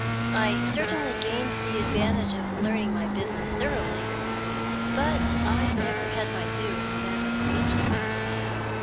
I certainly gained the advantage of learning my business thoroughly, but I never had my due in the matter of wages.